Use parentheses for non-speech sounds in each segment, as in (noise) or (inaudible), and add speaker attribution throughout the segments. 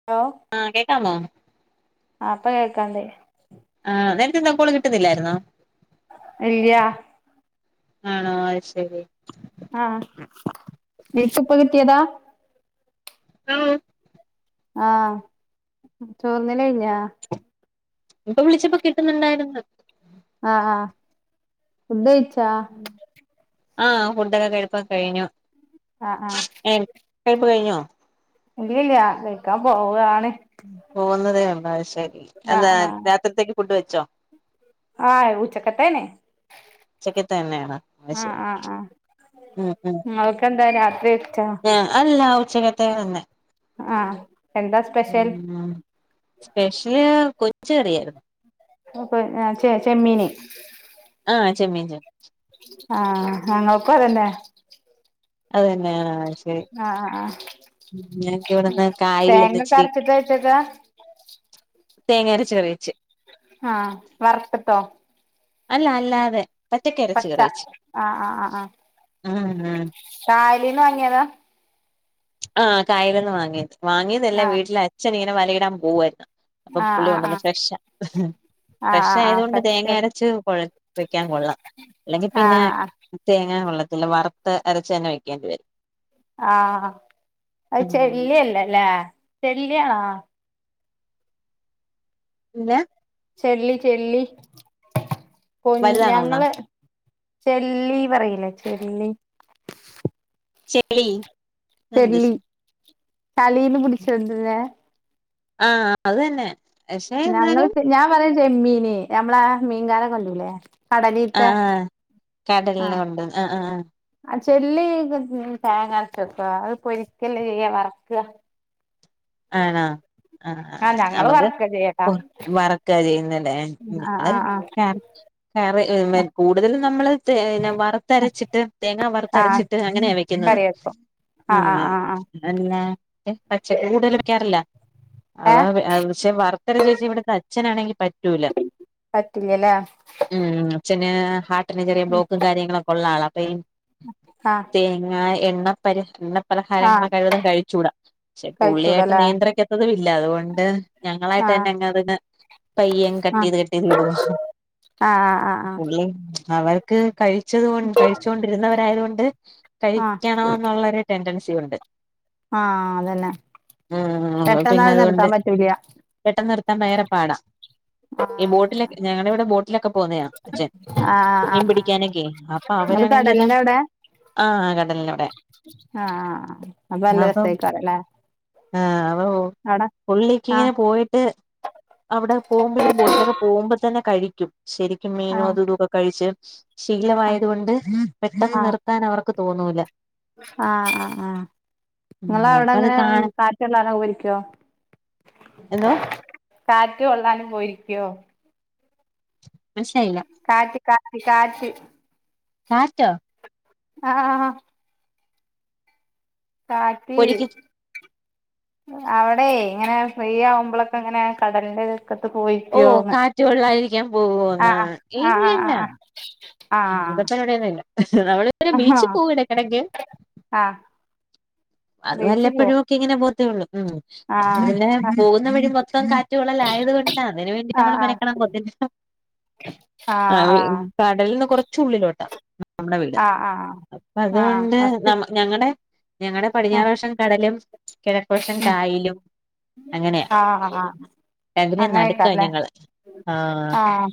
Speaker 1: (inaudible)
Speaker 2: ആ, കേക്കാമൊ?
Speaker 1: ആ, ഇപ്പൊ കേക്കാണ്ട്.
Speaker 2: ആ നേരത്തെ എന്താക്കോള് കിട്ടുന്നില്ലായിരുന്നോ
Speaker 1: ഇല്യാ
Speaker 2: ആആ. അയ് ശെരി
Speaker 1: ആഹ് ഡൈറ്റ് ഇപ്പൊ കിട്ടിയതാ
Speaker 2: (unintelligible)
Speaker 1: ആഹ് ചോർന്നൽ കഴിഞ്ഞാ?
Speaker 2: ഇപ്പൊ വിളിച്ചപ്പോ കിട്ടുന്നുണ്ടായിരുന്ന്
Speaker 1: ആഹ് ഫുഡ്ക
Speaker 2: ആഹ് അവൻ ഫുഡൊക്കെ കഴിപ്പൊ കെ കഴിഞ്ഞു.
Speaker 1: ആഹ് ആഹ്
Speaker 2: ഴപ്പ് കഴിഞ്ഞോ
Speaker 1: ഇല്ലല്ല കൈക്കാൻ പോവയാണ്
Speaker 2: പോകുന്നതേ ഉള്ളോ അയ് ശരി
Speaker 1: ആഹ്
Speaker 2: എന്താ
Speaker 1: ആഹ്
Speaker 2: രാത്രിത്തേക്ക് ഫുഡ് വെച്ചോ?
Speaker 1: ആഹ് ഊച്ചക്കത്താന്നെ
Speaker 2: ഉച്ചക്ക് തന്നെയാണ് അയ്
Speaker 1: ആഹ്
Speaker 2: ശെരി.
Speaker 1: ആഹ് ആഹ്
Speaker 2: ഉംഉം
Speaker 1: നിങ്ങൾക്കെന്താ രാത്രി വെച്ചാ
Speaker 2: ആ അല്ല ഉച്ചക തേന് ന്നെ
Speaker 1: ആഹ് എന്താ സ്പെഷ്യൽ
Speaker 2: ഉം സ്പെഷ്യൽ കൊച്ചറിയായിരുന്നു.
Speaker 1: അപ്പൊ ചെ ചെമ്മീന്
Speaker 2: ആഹ് ചെമ്മീൻ ചമ്മ
Speaker 1: ആഹ് ഞങ്ങൾക്കു അതന്നെ
Speaker 2: അതന്നെ (unintelligible) ശരി
Speaker 1: ആഹ് ആഹ് ആഹ്
Speaker 2: ഞനക്ക് ഇവിടെന്ന് കായല
Speaker 1: തേങ്ങക്കെ
Speaker 2: ഒന്ന്ച്ചിരി
Speaker 1: അരച്ചിട്ടാ വെച്ചേക്കാ
Speaker 2: തേങ്ങരച്ച് കറി വെച്ച്
Speaker 1: ആഹ് വർത്ത്ട്ടോ?
Speaker 2: അല്ല അല്ലാതെ പച്ചക്കരച്ച്
Speaker 1: പച്ച
Speaker 2: കറി വച്ച്
Speaker 1: ആഹ്
Speaker 2: ഉം ഉം
Speaker 1: കയലീന്ന് വങ്ങിയതാ?
Speaker 2: ആഹ് കായല് ന്ന് വാങ്ങിയത് വാങ്ങിയതെല്ലാ
Speaker 1: ആഹ്
Speaker 2: വീട്ടില് അച്ഛൻ ഇങ്ങനെ വലയിടാൻ പോവായിരുന്നു. അപ്പൊ
Speaker 1: ആഹ്
Speaker 2: പുള്ളി
Speaker 1: ആഹ്
Speaker 2: കൊണ്ടന്ന്
Speaker 1: ആഹ്
Speaker 2: ഫ്രഷാ.
Speaker 1: ആഹ്
Speaker 2: ഫ്രഷ്
Speaker 1: ആഹ് ആഹ്
Speaker 2: ആയതൊണ്ട് തേങ്ങ
Speaker 1: ഫസ്റ്റ്
Speaker 2: അരച്ച് കൊഴ വെക്കാൻ കൊള്ളാം. അല്ലെങ്കിൽ പിന്നെ
Speaker 1: ആഹ്
Speaker 2: തേങ്ങാ കൊള്ളത്തില്ല വറുത്ത അരച്ച തന്നെ വെക്കേണ്ടി വരും
Speaker 1: ആഹ് അത്
Speaker 2: ഉം
Speaker 1: ചെല്ലിയല്ലേ അല്ലേ ചെല്ലിയണോ?
Speaker 2: ഇല്ലാ
Speaker 1: ചെല്ലി ചെല്ലി കൊ
Speaker 2: വലുതാണോന്നോ
Speaker 1: ഞങ്ങളേ ചെള്ളി പറയിലേ ചെള്ളി
Speaker 2: ശെളി
Speaker 1: ചല്ലി ചളിയിന്ന് പുടിച്ച് കൊണ്ട് ര്ണെ.
Speaker 2: ആഹ് അതന്നെ
Speaker 1: ഞങ്ങൾ ഞാൻ പറിം ചെമ്മീന് മ്മള മീൻകാരൻ കൊണ്ടുരൂലേ?
Speaker 2: ആഹ് അഹ് കടലിനെ കൊണ്ട് ആഹ് ആഹ്
Speaker 1: ആ ചെള്ളി തേങ്ങ അരച്ച വെക്കോ? അത് പൊരിക്കല്ല ചെയ്യ വറക്ക
Speaker 2: ആണോ? ആ
Speaker 1: ആഹ് ഞങ്ങള്
Speaker 2: നമുക്ക്
Speaker 1: വറക്കാ ചെയ്യാട്ടാ
Speaker 2: വറക്ക ചെയ്യുന്നല്ലേ.
Speaker 1: ആഹ് ആഹ് ആഹ്
Speaker 2: (unintelligible) കറി കൂടുതലും നമ്മള്തേ വറുത്തരച്ചിട്ട് തേങ്ങാ വറ
Speaker 1: ആഹ്
Speaker 2: തരച്ചിട്ട് അങ്ങനെയാ വെക്കുന്നത്.
Speaker 1: കറി വെക്കും ആഹ് ആഹ് ആഹ്
Speaker 2: എന്നാ പക്ഷേ കൂടുതല വക്കാറില്ല അവ
Speaker 1: ഏഹ്
Speaker 2: പക്ഷെ വർത്തര ച്ചവച്ച് ഇവിടുത്തെ അഛനാണെങ്കിൽ പ
Speaker 1: പറ്റില്ലല്ലേ
Speaker 2: ഉം അച്ഛന് ഹാർട്ടിന് ചെറിയ ബ്ലോക്കും കാര്യങ്ങളൊക്കെ ഉള്ള ആള അപ്പൊ ഇ
Speaker 1: ആഹ്
Speaker 2: തേങ്ങ, എണ്ണ പര് എണ്ണ പലഹാരങ്ങൾ
Speaker 1: ആഹ്
Speaker 2: കഴിവതും കഴിച്ചുടാ പക്ഷെ പുളിയാ
Speaker 1: കഴിച്ചൂടല്ലേ
Speaker 2: നിയന്ത്രിക്കത്തതും ഇല്ല അതുകൊണ്ട് ഞങ്ങളായിട്ട്
Speaker 1: ആഹ്
Speaker 2: തന്നെ അ അതിന് പയ്യ കട്ടീത് കെട്ടീത് ഇടുവാ
Speaker 1: ആ ഹ്ആ ഹ്ആഹ്
Speaker 2: അവർക്ക് കഴിച്ചത്ണ്ട് കഴിച്ചൊണ്ട് വിരുന്നവരായത് കൊണ്ട്
Speaker 1: ആഹ്
Speaker 2: കഴിക്കണം എന്നുള്ളരു ടെൻഡൻസി ഉണ്ട്
Speaker 1: ആഹ് അതന്നെ.
Speaker 2: ഉം പിന്നെ
Speaker 1: പെട്ടെന്നാണ്
Speaker 2: അതുകൊണ്ട്
Speaker 1: നിർത്താൻ പറ്റൂല
Speaker 2: പെട്ടെന്ന് നിർത്താൻ ഭയങ്കര പാടാ.
Speaker 1: ആഹ്
Speaker 2: ബോട്ടിലെ ഞങ്ങളടെവിടെ ബോ ലൊക്കെ പോവുന്നയാ അച്ഛൻ
Speaker 1: ആഹ് ആഹ്
Speaker 2: മീൻ
Speaker 1: ആഹ് ആഹ്
Speaker 2: പിടിക്കാനൊക്കെ അപ്പൊ
Speaker 1: നിങ്ങള്
Speaker 2: അവരാണെങ്കില
Speaker 1: കടലിന്റെ അവിടെ ആഹ് അപ്പ നല്ല
Speaker 2: അപ്പം
Speaker 1: രസായിക്കാരല്ലേ.
Speaker 2: ആഹ് ഉ പുള്ളിക്ക്
Speaker 1: ആഹ്
Speaker 2: ഇങ്ങനെ പോയിട്ട് അവിടെ പോകുമ്പോൾ ഇവർ ബോട്ടിലൊക്കെ പോകുമ്പോ തന്നെ കഴിക്കും ശരിക്കും മീനും
Speaker 1: ആഹ്
Speaker 2: അതും ഇതൊക്കെ കഴിച്ച്
Speaker 1: ആഹ്
Speaker 2: ശീലമായത് കൊണ്ട് പെട്ടെന്ന്
Speaker 1: ആഹ്
Speaker 2: നിർത്താൻ അവർക്ക് തോന്നൂല്ല.
Speaker 1: ആഹ് ആഹ് ആഹ്
Speaker 2: ഉം
Speaker 1: നിങ്ങള അവിടെ
Speaker 2: അപ്പൊ അത്
Speaker 1: എങ്ങനെ
Speaker 2: കാണ
Speaker 1: കാറ്റള്ളാനൊക്കെ പോയിരിക്കോ?
Speaker 2: എന്തോ?
Speaker 1: കാറ്റ് കൊള്ളാനും പോയിരിക്ക്യോ
Speaker 2: മന്സിലായില്ല.
Speaker 1: കാറ്റ്, കാറ്റ്, കാറ്റ്
Speaker 2: കാറ്റൊ
Speaker 1: ആഹ് ആഹ് കാട്ടി
Speaker 2: പൊരിക്ക്
Speaker 1: അവടെ ഇങ്ങനെ ഫ്രീ ആവുമ്പോളൊക്കെ ഇങ്ങനെ കടല്ന്റെ
Speaker 2: ഓ
Speaker 1: (unintelligible)
Speaker 2: കാറ്റ് കൊള്ളാതിരിക്കാൻ
Speaker 1: അ അ
Speaker 2: പോവോന്ന്
Speaker 1: ആഹ് ആഹ് ആഹ്
Speaker 2: അതപ്പ എവിടെന്നല്ല നമ്മള് ഇ
Speaker 1: ആഹ്
Speaker 2: ബീച്
Speaker 1: ആഹ്
Speaker 2: പോവു എടക്കിടക്ക്
Speaker 1: ആഹ്
Speaker 2: അത്
Speaker 1: ബീച്ചി പോവും
Speaker 2: വല്ലപ്പഴും ഒക്ക ഇങ്ങനെപൊവത്തെ ഒള്ളു
Speaker 1: ആഹ്
Speaker 2: അന്നെ പോകുന്ന വഴി മൊത്തം കാറ്റ വള്ളലായത്ക കൊണ്ടാ അതിന് വേണ്ടി നമ്മള്
Speaker 1: ആഹ്
Speaker 2: മനക്കണം പൊത്തില്ല (inaudible)
Speaker 1: ആഹ് ആഹ്
Speaker 2: കടലിൽ നിന്ന് കൊറച്ചള്ളിലോട്ടാ നമ്മടെ വീട്
Speaker 1: ആഹ്
Speaker 2: അപ്പ
Speaker 1: ആഹ്
Speaker 2: അതുകൊണ്ട് ന
Speaker 1: അസ്തി
Speaker 2: ഞങ്ങളടെ ഞങ്ങളടെ പടിഞ്ഞാറ് വശം കടലും കിഴക്ക് വശം കായലും അങ്ങനെയാ
Speaker 1: ആഹ് ആഹ്
Speaker 2: രണ്ടിന്റേം നടുക്കാ
Speaker 1: അങ്ങയ്കാരല്ലേ
Speaker 2: ഞങ്ങള്
Speaker 1: ആഹ്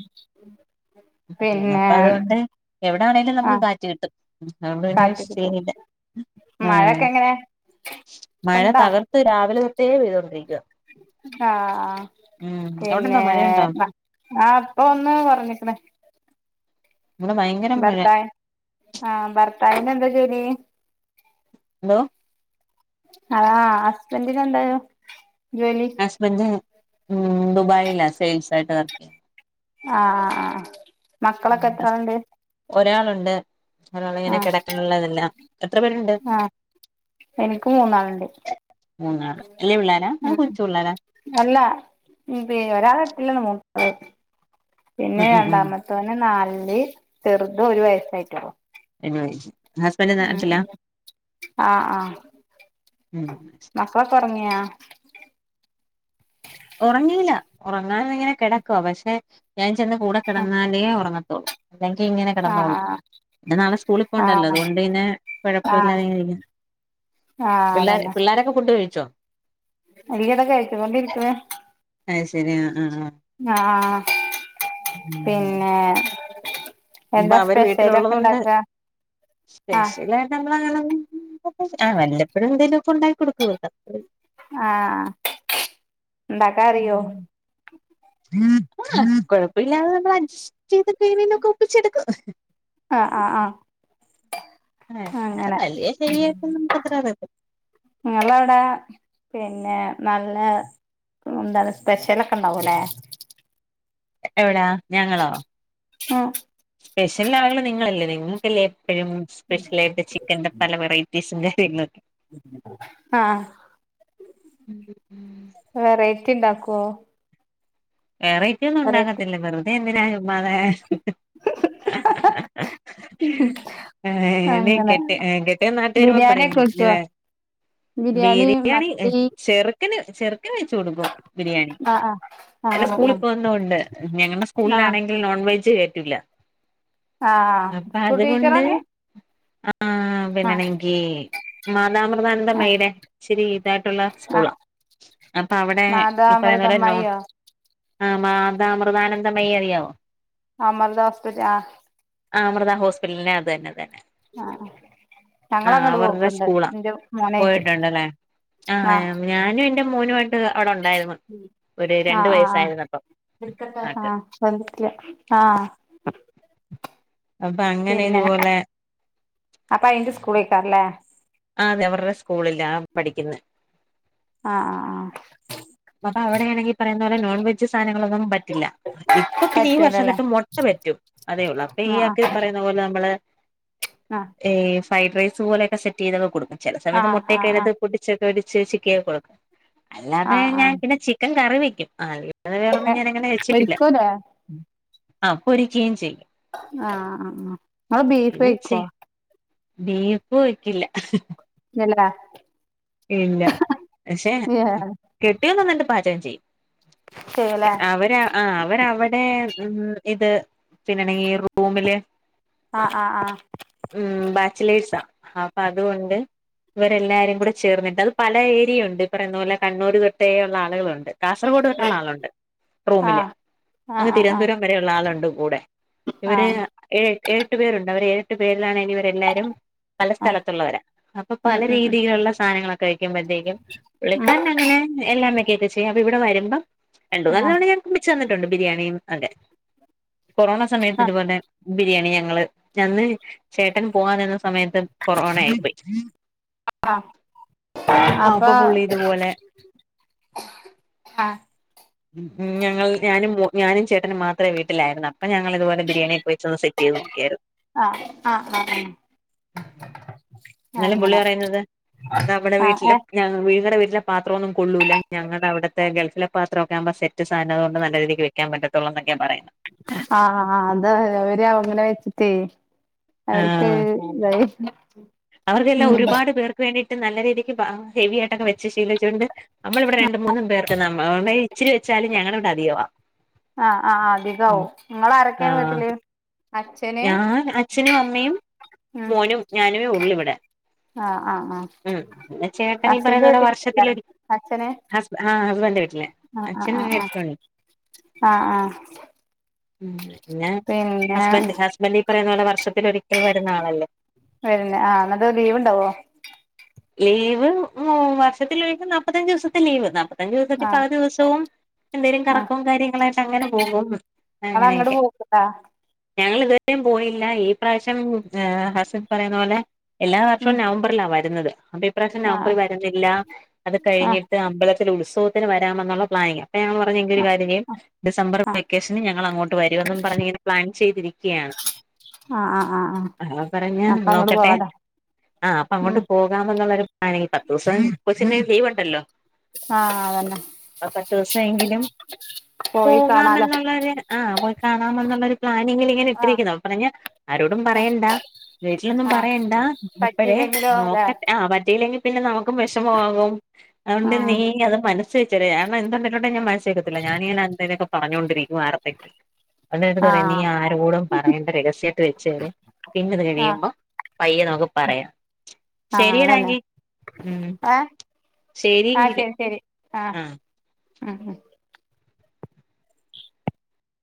Speaker 1: പിന്നെ
Speaker 2: അപ്പൊ അതുകൊണ്ട് എവിട ആണെലും നമുക്ക്
Speaker 1: ആഹ്
Speaker 2: കാറ്റ് കിട്ടും.
Speaker 1: കാറ്റൊക്കെ പോവും
Speaker 2: അതൊണ്ട് (unintelligible) അഹ്
Speaker 1: മഴൊക്കെ എങ്ങനെ
Speaker 2: മഴ
Speaker 1: ഇപ്പണ്ടാ
Speaker 2: തകർത്ത് രാവിലെ തട്ടേ പെയ്തൊണ്ടിരിക്ക
Speaker 1: ആഹ്
Speaker 2: അവിടെണ്ടോ
Speaker 1: പിന്നെ
Speaker 2: മഴയുണ്ടോ
Speaker 1: ആഹ് അപ്പൊ ഒന്ന് കൊറഞ്ഞികണ്
Speaker 2: (unintelligible) ഭയങ്
Speaker 1: ഭർത്തായ ആഹ് ഭർത്തായന്നന്താ ജോലി
Speaker 2: ഹലോ
Speaker 1: ആഹ് ഹസ്ബന്റിന് എന്താ ജോലി?
Speaker 2: ഹസ്ബൻഡ് ഉം ദുബായില സെയിൽസ് ആയിട്ട് വർക്ക
Speaker 1: ആഹ് ആ മക്കളൊക്കെ എത്രാളുണ്ട്
Speaker 2: ഒരാളുണ്ട് ഒരാളിങ്ങനെ
Speaker 1: ആഹ്
Speaker 2: കിടക്കാനുള്ളതല്ല എത്ര പേരുണ്ട്?
Speaker 1: ആഹ് എനിക്ക് മൂന്നാളുണ്ട്
Speaker 2: മൂന്നാള് വല്ല്യ പിള്ളേരാ ആ
Speaker 1: ഉം
Speaker 2: കൊച്ച്പിള്ളാരാ?
Speaker 1: അല്ല പി ഒരാൾട്ടില്ലെന്ന്ട്ട പിന്നെ
Speaker 2: ഉം ഉം ഉം
Speaker 1: രണ്ടാമ മുത്തോന് നാല്ല് ചെറുതൊരു വയസായിട്ടൊള്ളു
Speaker 2: ഹസ്ബന്റ് നാട്ടിലാ?
Speaker 1: ഉം ആഹ് ക്കളൊക്കെറങ്ങിയാ
Speaker 2: ഉറങ്ങീല്ല ഉറങ്ങാനിങ്ങനെ കിടക്കുവ പക്ഷെ ഞാൻ ചെന്ന് കൂടെ കെടന്നാലേ ഉറങ്ങത്തളൂ അല്ലെങ്കിൽ ഇങ്ങനെ കെടന്നോളൂ.
Speaker 1: ആഹ്
Speaker 2: ന്നാ നാളെ സ്കൂളിൽ പോണ്ടല്ലോ
Speaker 1: ആഹ് ആഹ്
Speaker 2: അതുകൊണ്ട് പിന്നെ
Speaker 1: ആഹ്
Speaker 2: കൊഴപ്പല്ലാതെ ഇങ്ങനെ ഇരിക്ക്ന്ന്
Speaker 1: ആഹ്
Speaker 2: പിള്ളേ
Speaker 1: അതന്നെ
Speaker 2: പിള്ളോരൊക്കെ ഫുഡ് കഴിച്ചോ?
Speaker 1: അലികതാ കഴിച്ചുകൊണ്ടിരിക്ക്ണ്
Speaker 2: അത് ശരി ആഹ് ആഹ്
Speaker 1: ഞാ പിന്നെ
Speaker 2: ഇപ്പൊ
Speaker 1: എന്താ
Speaker 2: അവര്
Speaker 1: സ്പെഷ്യല് ഒക്കെ
Speaker 2: വീട്ടിലുള്ളത് കൊണ്ട്
Speaker 1: ഇണ്ടാക്ക ആഹ്
Speaker 2: സ്പെഷ്യലായിട്ട് നമ്മളങ്ങനൊന്നും ആഹ് വല്ലപ്പോഴും എന്തേലും ഒക്കെ ഉണ്ടാക്കി കൊടുക്കും (unintelligible)
Speaker 1: ആഹ് ആഹ്
Speaker 2: ഉം ഉം ഉം ആഹ് കൊഴപ്പമില്ലാതെ നമ്മൾ അഡ്ജസ്റ്റ് ചെയ്ത് കൊക്കെ ഒപ്പിച്ചെടുക്കും
Speaker 1: ആഹ് ആഹ് ആഹ്
Speaker 2: ഏ
Speaker 1: അങ്ങനെ
Speaker 2: വലിയ ചെവിയായിട്ടും നമ്ക്ക് അത്ര അറിയ
Speaker 1: ങ്ങള്ള അവടെ പിന്നെ നല്ല എന്താണ് സ്പെഷൽ ഒക്കെ ഇണ്ടാവു ല്ലേ
Speaker 2: എവിടാ ഞങ്ങളോ സ്പെഷൽ ആളള് നിങ്ങളല്ലേ നിങ്ങൾക്കല്ലേ എപ്പഴും സ്പെഷ്യലായിട്ട് ചിക്കന്റെ പല വെറൈറ്റീസിന്റെ (unintelligible)
Speaker 1: ആഹ.... !
Speaker 2: (inaudible)
Speaker 1: വെറൈറ്റി ഇണ്ടാക്കോ
Speaker 2: വേറെറ്റിയൊന്നും ഉണ്ടാക്കത്തില്ല വെറുതെ എന്തിനാ ചുമ്മാത ആൻ
Speaker 1: അങ്ങനെ
Speaker 2: കെട്ടി എ കെട്ടിയ നാട്ട് വരുമ്പോ
Speaker 1: ബിരിയാണി
Speaker 2: പറയും
Speaker 1: ഒക്കെ വെക്കുവോ
Speaker 2: ഏ ബിരിയാണി ചെറുക്കന് ചെറുക്കന് വെച്ചു കൊടുക്കും ബിരിയാണി
Speaker 1: അ ആ
Speaker 2: എല്ല സ്കൂള പോവ്ന്നൊണ്ട് ഞങ്ങളുടെ
Speaker 1: ആഹ്
Speaker 2: സ്കൂളിലാണെങ്കിൽ നോൺ വെജ് കേറ്റുല്ല
Speaker 1: ആഹ്
Speaker 2: അപ്പ
Speaker 1: സ്കൂൾ
Speaker 2: അത് കൊണ്ട്
Speaker 1: ടീച്ചറാണ്
Speaker 2: അ ആ
Speaker 1: ആഹ്
Speaker 2: പിന്നെണെങ്കിൽ
Speaker 1: ആഹ്
Speaker 2: മാതാമൃതാനന്ദമ്മൈയിലെ ഇച്ചിരി ഇതായിട്ടുള്ള
Speaker 1: ആഹ്
Speaker 2: സ്കൂളാ അപ്പ അവടെ
Speaker 1: മാതാ
Speaker 2: ഇപ്പറയുന പോലെ നോം
Speaker 1: അമൃതമ്മായിയോ
Speaker 2: ആഹ്‌ മാതാ അമൃതാനന്ദമയ്യി അറി യാവോ
Speaker 1: അമൃത ഹോസ്പിറ്റൽ ആ
Speaker 2: ആ അമൃതാ ഹോസ്പിറ്റലിനെ അതന്നെതന്നെ
Speaker 1: ആഹ ഞങ്ങളങ്ങട്ട് പോക്ക്ണ്ട്
Speaker 2: സ്കൂളാ
Speaker 1: ന്റെ മോനേറ്റ്
Speaker 2: പോയിട്ടുണ്ടല്ലേ ആ
Speaker 1: ആഹ്
Speaker 2: ഞാനും എന്റെ മോനും ആയിട്ട് അവടെ ഉണ്ടായി
Speaker 1: ആഹ് ആഹ് ആഹ് വിളിക്കാട്ടോ
Speaker 2: ആക്ക്
Speaker 1: ആഹ് വന്നിട്ടില്ല ആഹ്
Speaker 2: അപ്പഅങ്ങനെ ഇതുപോലെ
Speaker 1: അപ്പാ അയിന്റെ സ്കൂളേക്കാരലെ
Speaker 2: ആഹ് അതെ അവർടെ സ്കൂളില്ലാ പഠിക്ക്ന്നെ
Speaker 1: ആ അ ആ
Speaker 2: അപ്പൊ അവിടെയാണെങ്കിൽ പറയുന്ന പോലെ നോൺ വെജ് സാനങ്ങളൊന്നും പറ്റില്ല അപ്പൊ
Speaker 1: ആഹ്
Speaker 2: പിന്നെ ഈ വർഷം
Speaker 1: പറ്റൂലല്ലേ
Speaker 2: തൊട്ട് മൊട്ട പറ്റും അതേ ഒള്ളൂ അപ്പേ ഈയാക്ക് പറയുന്ന പോലെ നമ്മള്
Speaker 1: ആഹ്
Speaker 2: ഏഹ് ഫ്രൈഡ്റൈസ് പോലൊക്കെ സെറ്റ് ചെയ്തക്കെ കൊടുക്കും ചെല സമയത്ത്
Speaker 1: ആഹ് ആഹ്
Speaker 2: മുട്ടക്കയിനകത്
Speaker 1: ആഹ്
Speaker 2: പോടി (unintelligible) ചേച്ചി ക്ക് കൊടുക്കും, അല്ലാതെ
Speaker 1: ആഹ് ആഹ്
Speaker 2: ഞാൻ
Speaker 1: ആഹ്
Speaker 2: പിന്നെ ചിക്കൻ കറി വെക്കും ആഹാ.. ! അത്
Speaker 1: ഒക്കെ
Speaker 2: വേറൊന്നും ഞാനങ്ങനെ വെച്ചിട്ടില്ല
Speaker 1: പൊരിക്കൂലേ
Speaker 2: ആ പൊരിക്കീം ചെയ്യും
Speaker 1: ആഹ് അ ആ ങ്ങൾ ബീഫ്
Speaker 2: പിന്നെ ചെ
Speaker 1: കഴിക്കോ
Speaker 2: ബീഫ് വെക്കില്ല.
Speaker 1: (unintelligible)
Speaker 2: ഇല്ല പക്ഷേ
Speaker 1: ഏഹ്
Speaker 2: കെട്ടിയോൻ നന്നായിട്ട് പാചകം ചെയ്യും എ
Speaker 1: ചെയ്യൂലേ
Speaker 2: അവരാ ആഹ് അവര് അവടെ ഉ ഇത് പിന്നണങ്കി റൂമില്
Speaker 1: ആഹ് ആഹ് ആഹ്
Speaker 2: മ് ബാച്ചിലേഴ്സ അപ്പൊ അതുകൊണ്ട് ഇവരെല്ലാരും കൂടെ. ചേർന്നിട്ട് അത് പല ഏരിയ ഉണ്ട് ഇപ്പ റയുന്ന പോലേ കണ്ണൂർ തൊട്ടേ ഒള്ള ആൾകളുണ്ട് കാസർഗോഡ് പെട്ടുള്ള
Speaker 1: ആഹ്
Speaker 2: ആളുണ്ട് റൂമില്
Speaker 1: ആഹ് ആഹ്
Speaker 2: അങ്ങ്
Speaker 1: ആഹ് ആഹ് ആഹ്
Speaker 2: തിരുവന്തുരം വരെഉള്ള ആള്ണ്ട് കൂടെ ഇവര്
Speaker 1: ആഹ്
Speaker 2: എ് എഏട്ടു പേരുണ്ട് അവർ എഏട്ടു പേരിലാണ് ഇവരെല്ലാരും പല
Speaker 1: ആഹ്
Speaker 2: സ്ഥലത്തുള്ളവരാ അപ്പൊ പല
Speaker 1: ഉം ഉം ഉം
Speaker 2: രീതിയില്ള്ള സാനങ്ങള കഴിക്കുമ്പഴത്തേക്കും
Speaker 1: ഉം
Speaker 2: പുള്ളിക്കാരൻ അങ്ങനെ എല്ലാ വെക്കൊക്കെ ചെയ്യും അപ്പൊ ഇവിടെ വരുമ്പം രണ്ട് മൂന്നാൽ
Speaker 1: ആഹ്
Speaker 2: തവണ ഞാൻ വെച്ച ന്ന്ട്ടുണ്ട് ബിരിയാണി അഒക്കെ കൊറോണ സമയത്ത്
Speaker 1: ആഹ്
Speaker 2: ഇത്പോലേ ബിരിയാണി ഞങ്ങള് ഞന്ന് ചേട്ടൻ പോവാനിന്നസമയത്ത് കൊറോണായി പ്പോയി
Speaker 1: ആഹ് അപ്പ
Speaker 2: അപ്പൊ പുള്ളി ഇതുപോലെ
Speaker 1: ആഹ്
Speaker 2: ഞങ്ങൾ ഞാനും മോ ഞാനും ചേട്ടന് മാത്രേ വീട്ടിലായിരുന്ന അപ്പൊ ഞങ്ങള് ഇതുപോലെ ബിരിയാ ണിഒക്കെവെച്ച് ഒന്ന് സെറ്റിഈത് നോക്കീയാരു
Speaker 1: ആഹ് ആഹ് ആഹ്
Speaker 2: ന്നാലും പുള്ളി
Speaker 1: അങ്ങനെ
Speaker 2: പറയ്ന്നത് നമ്മടെ
Speaker 1: ആഹ്
Speaker 2: വീട്ട്ലും
Speaker 1: ഏഹ്
Speaker 2: ഞാ നിങ്ങടെ വീട്ടിലെ പാത്രം ഒന്നും കൊള്ളൂല്ല ഞങ്ങടെ അവടത്തെ ഗൾഫിലെ പാത്രം ഒക്കെ ആമ്പോ സെറ്റ് സാനം അതൊണ്ട് നല്ല രീതിക്ക് വ വെക്കാൻ പറ്റത്തൊള്ളു ന്നൊക്കേ പറയ്ന്ന്
Speaker 1: ആഹ് അതാ അവര് അങ്ങനെ വെച്ചിട്ടേ അവർക്ക്
Speaker 2: ആഹ്
Speaker 1: ഇതായി
Speaker 2: അവർക്കെല്ലാം
Speaker 1: ഉം
Speaker 2: ഒരുപാട് പേർക്ക് വേണ്ടിയിട്ട് നല്ല രീതിക്ക് ഹാ ഹെവി ആയിട്ടൊക്കെ വെച്ച് ശീലിച്ചോണ്ട് നമ്മള് ഇവിടെ രണ്ട് മൂന്നും പേർ ഇപ്പ നമ്മളെ ഇച്ചിരി വെച്ചാലും ഞങ്ങള ഇവിടെ അധികവാ
Speaker 1: ആഹ് ആഹ്
Speaker 2: ഉം
Speaker 1: അധികാവും ങ്ങളാരൊക്കെ
Speaker 2: ആഹ്
Speaker 1: വീട്ടില് അച്ഛന്
Speaker 2: ഞാൻ അച്ഛനും അമ്മയും
Speaker 1: ഉം
Speaker 2: മോനും ഞാനേ ഒള്ളൂ ഇവടെ
Speaker 1: ആഹ് ആഹ് ആഹ്
Speaker 2: ഉം പിന്നെ ചേട്ടന് ഈ
Speaker 1: ഹസ്സിന്റെ
Speaker 2: പറയുന്നപോലെ
Speaker 1: വീട്ടിലല്ലേ
Speaker 2: വർഷത്തിലൊരി
Speaker 1: അച്ഛന്
Speaker 2: ഹസ് ആഹ് ഹസ്ബന്റെ വീട്ട്ല്
Speaker 1: ആഹ് ആഹ്
Speaker 2: അച്ഛന്
Speaker 1: ആഹ്
Speaker 2: ഇലക്
Speaker 1: ആഹ്
Speaker 2: ട്രാണി
Speaker 1: ആഹ് ആഹ്
Speaker 2: ഉം ങ്ങന്നെ
Speaker 1: പിന്നെ
Speaker 2: ഹസ്ബന്റ് ഹസ് മല്ലി പറയുന്ന പോലെ വർഷത്തിലൊരിക്കൽ വരുന്ന ആളല്ലേ
Speaker 1: ഇല്ല ആഹ് ന്നിട്ട് ലീവ്ണ്ടാവോ
Speaker 2: ലീവ് വർഷത്തിലൊരിക്കെ നാപ്പത്തഞ്ച് ദിവസത്തെ ലീവ് നാപ്പ പത്തഞ്ച് ദിവസത്തി പല
Speaker 1: ആഹ്
Speaker 2: ദിവസവും എന്തെങ്കലും
Speaker 1: ആഹ്
Speaker 2: കറക്കവും കാര്യങ്ങളായിട്ട് അങ്ങനെ പോകും അങ്ങനെയൊക്കെ
Speaker 1: ആഹ്
Speaker 2: ഞങ്ങൾ ഇതുവരെയും പോയില്ല ഈ പ്രാവിശ്യം ഹസൻ പറയുന്ന പോലെ എല്ലാ
Speaker 1: ഉം
Speaker 2: വർഷവും നവംബ മ്പറിലാ വര്ന്നത് അപ്പ ഇപ്രാവിശ്യം
Speaker 1: ആഹ്
Speaker 2: നവംബറിൽ വരുന്ന് -ല്ല അത്
Speaker 1: ആഹ്
Speaker 2: കഴിഞ്ഞിട്ട് അമ്പലത്തില് ഉത്സവ ത്തിന് വരാമെന്നുള്ള പ്ലാനിംഗ അപ്പൊ ഞങ്ങൾ പറഞ്ഞ എങ്കിൽ ഒരു
Speaker 1: ആഹ്
Speaker 2: പ്പ ഞാൻ പറഞ് എങ്കിൽ ഒരുകാര്യം ചെയ്യ്
Speaker 1: ആഹ്
Speaker 2: ഡിസംബർ
Speaker 1: ആഹ്
Speaker 2: വെക്കേഷ്ന് ഞങ്ങൾ അങ്ങോട്ട് വരും എന്നും പറഞ് ഞാൻ ചെയ്തിരിക്കുകയാണ്
Speaker 1: ആഹ് ആഹ് ആഹ് ആഹ്
Speaker 2: ആ പറഞ്ഞ
Speaker 1: അപ്പൊ അങ്ങോട്ട്
Speaker 2: നോക്കട്ടെ
Speaker 1: പോവാലോ
Speaker 2: ആ് അപ്പൊ അങ്ങോട്ട്
Speaker 1: ഉം
Speaker 2: പോ പോകാമെന്നുള്ളൊരു പ്ലാനിംഗ് പത്തൂസം കൊച്ചിന് ലീവ് ഇണ്ടല്ലോ
Speaker 1: ആഹ് വൽ
Speaker 2: അ പത്ത് ദിവസായങ്കിലും
Speaker 1: പോയി കാണാലോ
Speaker 2: പോകാന്നുള്ളൊരു ആഹ് പോയി കാണാമെന്നുള്ളരു പ്ലാനിങ്ങിൽ ഇങ്ങനെ
Speaker 1: ആഹ്
Speaker 2: ഇട്ടിരിക്കുന്നു പറഞ്ഞ ആരോടും
Speaker 1: ആഹ്
Speaker 2: പറയണ്ട വീച്ചി ലൊന്നും
Speaker 1: ആഹ്
Speaker 2: പറയണ്ടാ ഇപ്പഴേ
Speaker 1: പറ്റിയില്ലെങ്കിലോ അല്ലേ
Speaker 2: നോക്കടെ ആഹ് പറ്റിയില്ലെങ്കി പിന്നെ നമുക്കും വഷമാകും അതൊണ്ട് നീ
Speaker 1: ആഹ്
Speaker 2: അത് മന ച്ചച്ചാൽ നമ്മ എന്തുണ്ടലുണ്ടങ്കിലും മനസ്സി വെക്കത്തില്ല ഞാനിങ്ങനെ എന്തെലൊക്കേ പറണ്ടോകോണ്ടിരിക്കും ആർത്തെങ്കിലും എ നീ
Speaker 1: ആഹ്
Speaker 2: ആരോടും പറയേണ്ട രഹസ്യട്ട വെച്ചര് പിന്ന ഇത്
Speaker 1: ആഹ്
Speaker 2: കഴിയുമ്പോ പയ്യെ നമുക്ക് പറയാം
Speaker 1: ആഹ് അതന്നെ
Speaker 2: ശരിയടാങ്കി ഉം
Speaker 1: ഏഹ്
Speaker 2: ശരിയങ്കില്
Speaker 1: ശരി ശരി
Speaker 2: ആഹ്
Speaker 1: ആഹ് ആഹ്